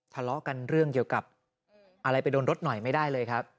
ทะเลาะกันเรื่องเกี่ยวกับอะไรไปโดนรถหน่อยไม่ได้เลยครับ